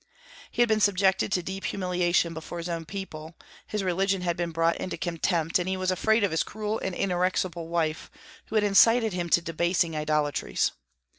He had been subjected to deep humiliation before his own people; his religion had been brought into contempt, and he was afraid of his cruel and inexorable wife, who had incited him to debasing idolatries.